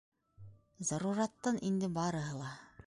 Зарураттан инде барыһы ла.